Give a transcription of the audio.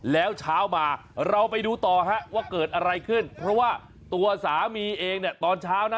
แล้วเช้ามาเราไปดูต่อฮะว่าเกิดอะไรขึ้นเพราะว่าตัวสามีเองเนี่ยตอนเช้านะ